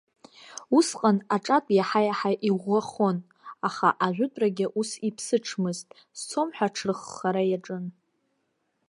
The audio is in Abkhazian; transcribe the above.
Усҟан аҿатә иаҳа-иаҳа иӷәӷәахон, аха ажәытәрагьы ус иԥсыҽмызт, сцом ҳәа аҽрыххара иаҿын.